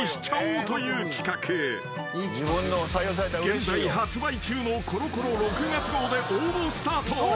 ［現在発売中の『コロコロ』６月号で応募スタート］